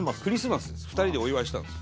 ２人でお祝いしたんです。